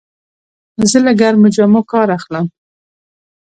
زه له ګرمو جامو کار اخلم.